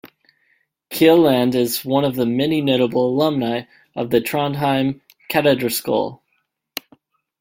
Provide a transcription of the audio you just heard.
Kielland is one of the many notable alumni of the Trondheim Katedralskole.